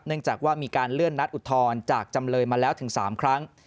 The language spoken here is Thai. จากว่ามีการเลื่อนนัดอุทธรณ์จากจำเลยมาแล้วถึง๓ครั้ง